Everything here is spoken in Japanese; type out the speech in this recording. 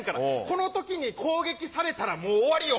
この時に攻撃されたらもう終わりよ。